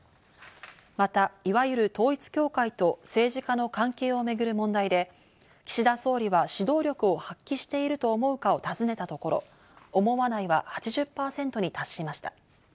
また、いわゆる統一教会と政治家の関係をめぐる問題で、岸田総理は指導力を発揮していると思うかをたずねたところ、思わないは８０％に達しました。